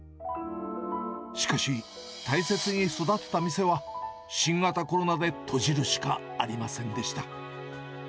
しかし、大切に育てた店は、新型コロナで閉じるしかありませんでした。